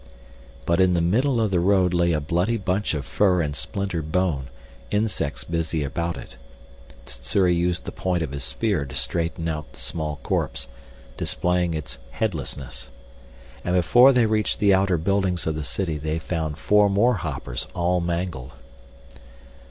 But in the middle of the road lay a bloody bunch of fur and splintered bone, insects busy about it. Sssuri used the point of his spear to straighten out the small corpse, displaying its headlessness. And before they reached the outer buildings of the city they found four more hoppers all mangled.